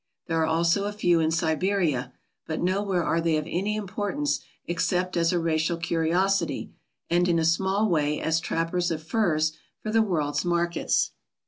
There are also a few in Siberia, but nowhere are they of any importance except as a racial curiosity and in a small way as trappers of furs for the world's markets.